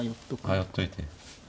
あ寄っといて。